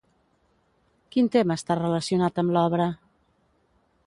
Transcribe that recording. Quin tema està relacionat amb l'obra?